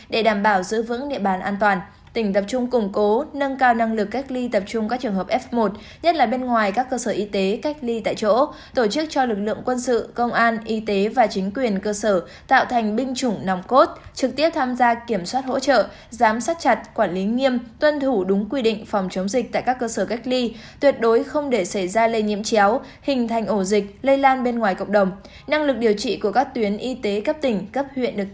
để đảm bảo giữ vững địa bàn an toàn tỉnh tập trung củng cố nâng cao năng lực cách ly tập trung các trường hợp f một nhất là bên ngoài các cơ sở y tế cách ly tại chỗ tổ chức cho lực lượng quân sự công an y tế và chính quyền cơ sở tạo thành binh chủng nòng cốt trực tiếp tham gia kiểm soát hỗ trợ giám sát chặt quản lý nghiêm tuân thủ đúng quy định phòng chống dịch tại các cơ sở cách ly tuyệt đối không để xảy ra lây nhiễm chéo hình thành ổ dịch lây lan bên ngoài cộng đồng năng lực điều trị của các tuyến y tế